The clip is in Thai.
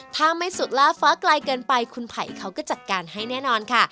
ถ้าไม่สุดล่าฟ้าไกลเกินไปคุณไผ่เขาก็จัดการให้แน่นอนค่ะ